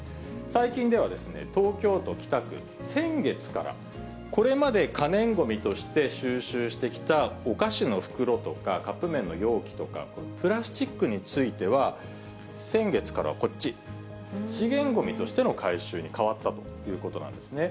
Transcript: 最近では、東京都北区、先月からこれまで可燃ごみとして収集してきたお菓子の袋とかカップ麺の容器とか、プラスチックについては、先月からこっち、資源ごみとしての回収に変わったということなんですね。